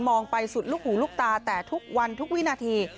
ไปสุดลูกหูลูกตาแต่ทุกวันทุกวินาที